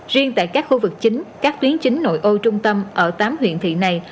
riêng tại các khu vực chính các tuyến chính nội ô trung tâm ở tám huyện thị này